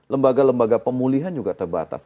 lembaga lembaga pemulihan juga terbatas